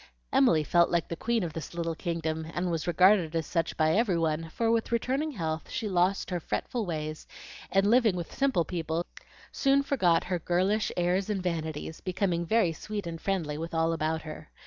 Emily felt like the queen of this little kingdom, and was regarded as such by every one, for with returning health she lost her fretful ways, and living with simple people, soon forgot her girlish airs and vanities, becoming very sweet and friendly with all about her.